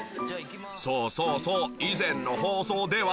そうそうそう以前の放送では。